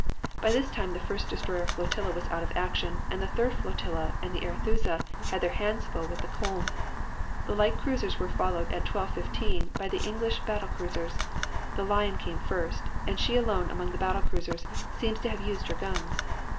By this time the first destroyer flotilla was out of action and the third flotilla and the Arethusa had their hands full with the Koln. The light cruisers were followed at 12.15 by the English battle cruisers, the Lion came first, and she alone among the battle cruisers seems to have used her guns.